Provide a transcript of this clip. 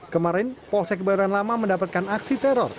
kemarin polsek kebayoran lama mendapatkan aksi teror